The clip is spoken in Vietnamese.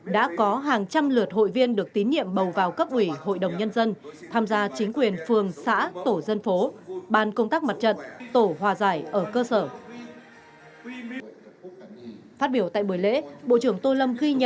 đã có hàng trăm lượt hội viên được tín nhiệm bầu vào cấp ủy hội đồng nhân dân tham gia chính quyền phường xã tổ dân phố ban công tác mặt trận tổ hòa giải ở cơ sở